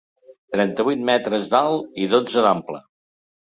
Trenta-vuit metres d’alt i dotze d’ample.